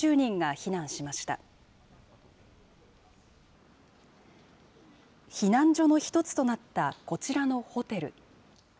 避難所の一つとなったこちらのホテル。